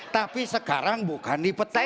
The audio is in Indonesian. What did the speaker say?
tapi sekarang bukan di petai